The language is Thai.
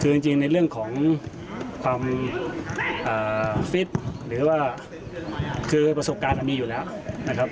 คือจริงในเรื่องของความฟิตหรือว่าคือประสบการณ์มีอยู่แล้วนะครับ